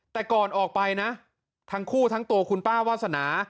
แต่ก่อนออกไปนะทั้งคู่ทั้งตัวคุณป้าวาสนา